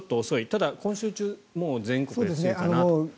ただ、今週中にもう全国かなと。